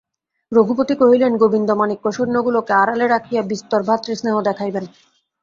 রঘুপতি কহিলেন, গোবিন্দমাণিক্য সৈন্যগুলোকে আড়ালে রাখিয়া বিস্তর ভ্রাতৃস্নেহ দেখাইবেন।